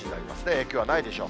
影響はないでしょう。